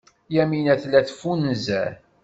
Yamina tella teffunzer.